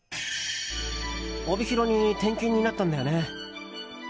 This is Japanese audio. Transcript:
帯広に転勤になったんだよね。